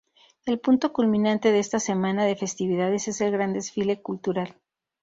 El punto culminante de esta semana de festividades es el gran desfile cultural.